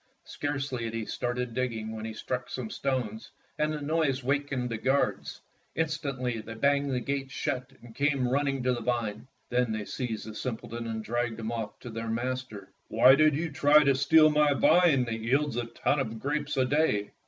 Scarcely had he started digging when he struck some stones, and the noise wakened the guards. Instantly they banged the gates shut and came running to the vine. Then they seized the simpleton and dragged him off to their master. "'Why did you try to steal my vine that yields a ton of grapes a day?"